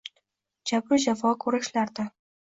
Jabru jafo ko’rishlardan